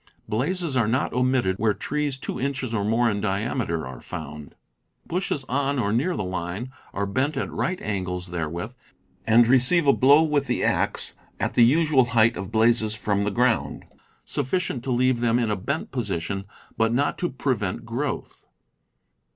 Blazes are not omitted where trees two inches or more in diameter are found. Bushes on or near the line are bent at right angles therewith, and receive a blow with the axe at the usual height of blazes from the ground, sufficient to leave them in a bent position, but not to prevent growth.